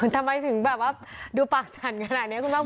ทำไมถึงแบบว่าดูปากสั่นขนาดนี้คุณภาคภูมิ